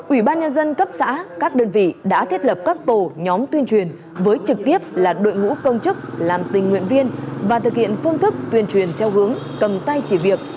ủy ban nhân dân cấp xã các đơn vị đã thiết lập các tổ nhóm tuyên truyền với trực tiếp là đội ngũ công chức làm tình nguyện viên và thực hiện phương thức tuyên truyền theo hướng cầm tay chỉ việc